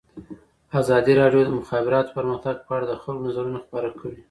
ازادي راډیو د د مخابراتو پرمختګ په اړه د خلکو نظرونه خپاره کړي.